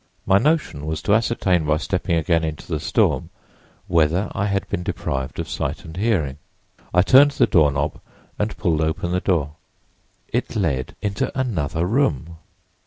My notion was to ascertain by stepping again into the storm whether I had been deprived of sight and hearing. I turned the doorknob and pulled open the door. It led into another room!